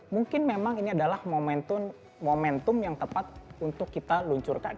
mungkin memang ini adalah momentum yang tepat untuk kita luncurkan